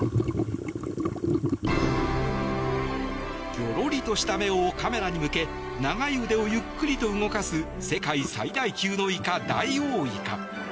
ギョロリとした目をカメラに向け長い腕をゆっくりと動かす世界最大級のイカダイオウイカ。